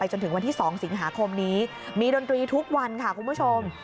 จนถึงวันที่๒สิงหาคมนี้มีดนตรีทุกวันค่ะคุณผู้ชม